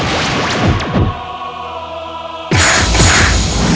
dan selamat berjalan kembali